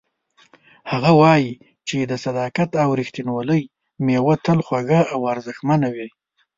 هغه وایي چې د صداقت او ریښتینولۍ میوه تل خوږه او ارزښتمنه وي